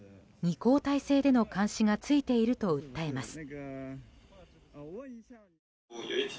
２交代制での監視がついていると訴えます。